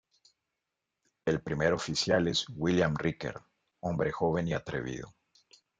El primer oficial es William Riker, hombre joven y atrevido.